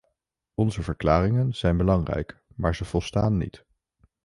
Onze verklaringen zijn belangrijk, maar ze volstaan niet.